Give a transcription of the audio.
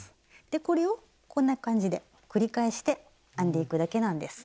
これをこんな感じで繰り返して編んでいくだけなんです。